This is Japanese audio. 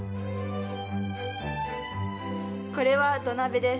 これは土鍋です。